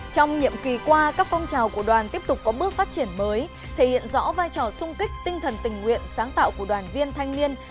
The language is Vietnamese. xin chào các bạn